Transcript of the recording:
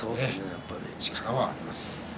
やっぱり力はあります。